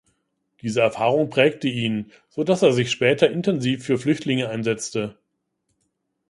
Diese Erfahrung prägte ihn, so dass er sich später intensiv für Flüchtlinge einsetzte.